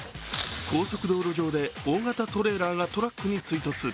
高速道路上で大型トレーラーがトラックに追突。